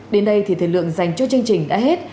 đến đây thì thời lượng dành cho chương trình đã hết